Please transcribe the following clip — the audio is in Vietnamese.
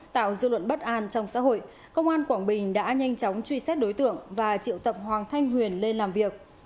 tạo dư luận bất an trong xã hội công an quảng bình đã nhanh chóng truy xét đối tượng và triệu tập hoàng thanh huyền lên làm việc